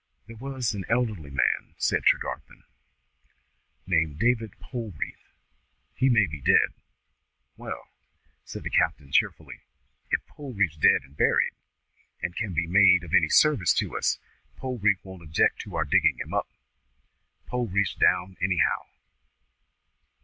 "There was an elderly man," said Tregarthen, "named David Polreath. He may be dead." "Wa'al," said the captain, cheerfully, "if Polreath's dead and buried, and can be made of any service to us, Polreath won't object to our digging of him up. Polreath's down, anyhow."